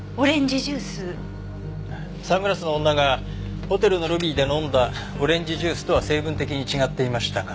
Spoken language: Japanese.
サングラスの女がホテルのロビーで飲んだオレンジジュースとは成分的に違っていましたが。